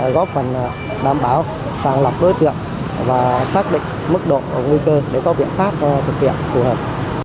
góp phần đảm bảo sàng lọc đối tượng và xác định mức độ nguy cơ để có biện pháp thực hiện phù hợp